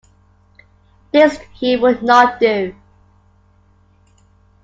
This he would not do.